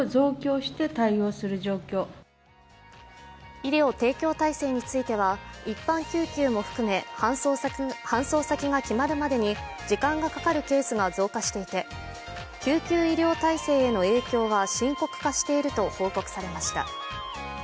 医療提供体制については、一般救急も含め搬送先がが決まるまでに時間がかかるケースが増加していて救急医療体制への影響は深刻化していると報告されました。